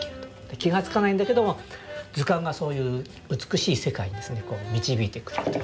気が付かないんだけども図鑑がそういう美しい世界に導いてくれるというですね